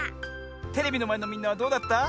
テレビのまえのみんなはどうだった？